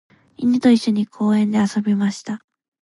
犬と一緒に公園で遊びました。